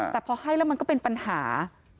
แต่พอให้แล้วมันก็เป็นปัญหา